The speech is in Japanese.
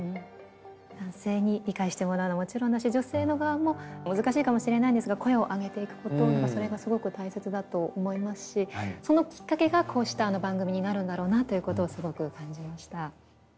男性に理解してもらうのもちろんだし女性の側も難しいかもしれないんですが声を上げていくことそれがすごく大切だと思いますしそのきっかけがこうした番組になるんだろうなということをすごく感じました。